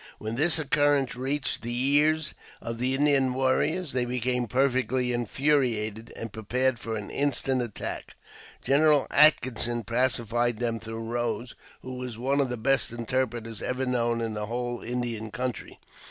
When this occurrence reached the ears of the Indian warriors, they became perfectly infuriated, and prepared for an instant attack. General Atkinson pacified them through Eose, who was one of the best interpreters ever known in the whole Indian country.